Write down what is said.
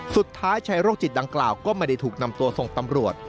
สุดท้ายชายโรคจิตดังกล่าวก็ไม่ได้ถูกนำตัวส่งตำรวจ